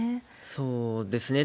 そうですね。